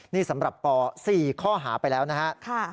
นี่สำหรับป๔ข้อหาไปแล้วนะฮะ